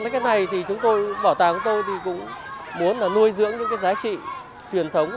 cái này thì chúng tôi bảo tàng của tôi thì cũng muốn là nuôi dưỡng những cái giá trị truyền thống